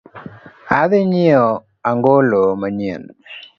Adhii nyieo ang'olo manyien.